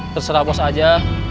terserah bos aja